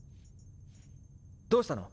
どうしたの？